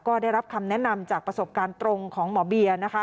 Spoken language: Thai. ก็ได้รับคำแนะนำจากประสบการณ์ตรงของหมอเบียร์นะคะ